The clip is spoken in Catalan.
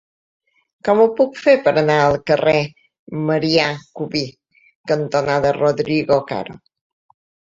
Com ho puc fer per anar al carrer Marià Cubí cantonada Rodrigo Caro?